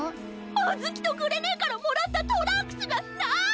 あずきとグレねえからもらったトランクスがない！